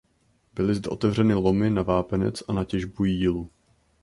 Byly zde otevřeny lomy na vápenec a na těžbu jílu.